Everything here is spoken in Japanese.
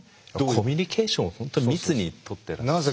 コミュニケーションを本当に密に取ってらっしゃる。